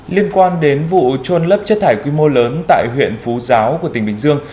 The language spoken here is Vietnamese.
liên quan đến vụ trôn lấp chất thải quy mô lớn tại huyện phú giáo của tỉnh bình dương